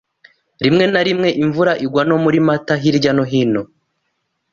Rimwe na rimwe, imvura igwa no muri Mata hirya no hino.